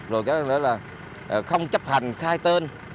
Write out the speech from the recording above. rồi là không chấp hành khai tên